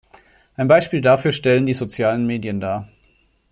Ein Beispiel dafür stellen die Sozialen Medien dar.